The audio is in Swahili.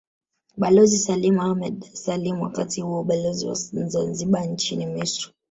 Balozi Salim Ahmed Salim wakati huo Balozi wa Zanzibar nchini Misri